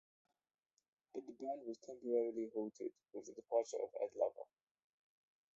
But the band was temporarily halted with the departure of Ed Lover.